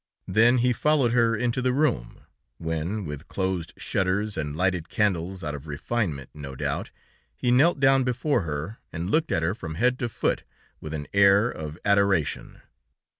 Then he followed her into the room, when with closed shutters and lighted candles, out of refinement, no doubt, he knelt down before her and looked at her from head to foot with an air of adoration.